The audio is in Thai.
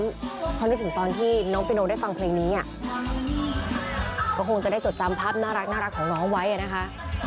เพราะนึกถึงตอนที่น้องปิโนได้ฟังเพลงนี้ก็คงจะได้จดจำภาพน่ารักของน้องไว้นะคะ